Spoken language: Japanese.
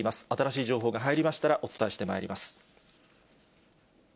新しい情報が入りましたら、お伝えしてまいります。